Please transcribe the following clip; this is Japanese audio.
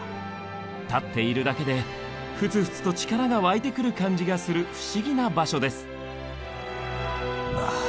立っているだけでふつふつと力が湧いてくる感じがする不思議な場所です。